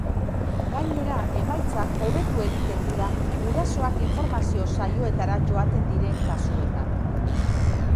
Gainera, emaitzak hobetu egiten dira gurasoak informazio saioetara joaten diren kasuetan.